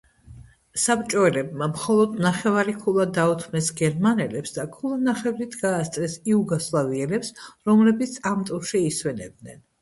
საბჭოელებმა მხოლოდ ნახევარი ქულა დაუთმეს გერმანელებს და ქულანახევრით გაასწრეს იუგოსლავიელებს, რომლებიც ამ ტურში ისვენებდნენ.